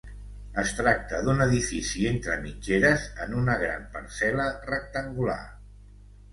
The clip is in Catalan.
Es tracta d'un edifici entre mitgeres en una gran parcel·la rectangular.